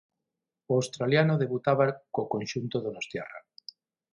O australiano debutaba co conxunto donostiarra.